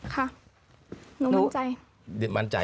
ค่ะหนูมั่นใจ